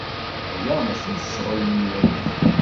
Aya maci d ccɣel-nwen.